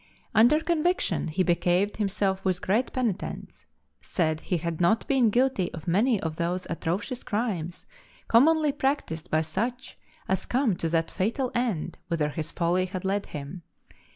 Under conviction, he behaved himself with great penitence, said he had not been guilty of many of those atrocious crimes commonly practised by such as come to that fatal end whither his folly had led him.